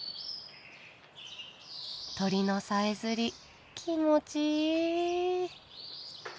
鳥のさえずり気持ちいい。